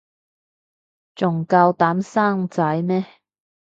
仲夠膽生仔咩